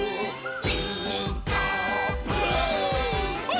「ピーカーブ！」